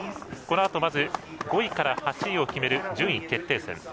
このあと、まず５位から８位を決める順位決定戦。